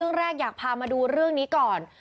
เรื่องแรกอยากพามาดูเรื่องนี้ก่อน